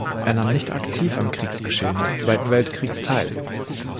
Er nahm nicht aktiv am Kriegsgeschehen des Zweiten Weltkriegs teil.